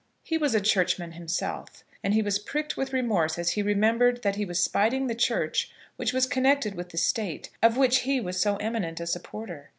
He was a Churchman himself, and he was pricked with remorse as he remembered that he was spiting the Church which was connected with the state, of which he was so eminent a supporter.